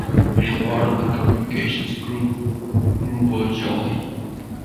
It is part of the communications group Grupo Joly.